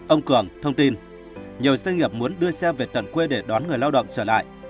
ông cường thông tin nhiều doanh nghiệp muốn đưa xe về tận quê để đón người lao động trở lại